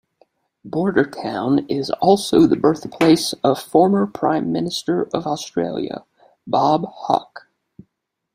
Bordertown is also the birthplace of former Prime Minister of Australia, Bob Hawke.